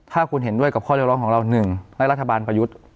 ถ้าคุณเห็นด้วยกับข้อเรียกร้องของเราหนึ่งในรัฐบาลประยุทธ์